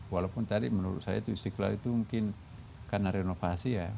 walaupun tadi menurut saya itu istiqlal itu mungkin karena renovasi ya